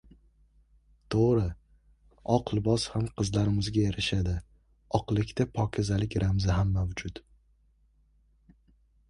To‘g‘ri, oq libos ham qizlarimizga yarashadi, oqlikda pokizalik ramzi ham mavjud.